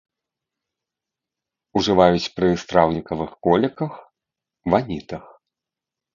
Ужываюць пры страўнікавых коліках, ванітах.